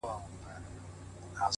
ه ما يې هر وختې په نه خبره سر غوښتی دی!